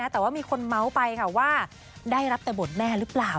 แต่ว่ามีคนเมาส์ไปค่ะว่าได้รับแต่บทแม่หรือเปล่า